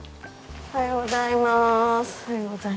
おはようございます。